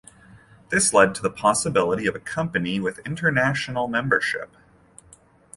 This led to the possibility of a company with "international" membership.